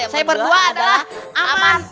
saya berdua adalah aman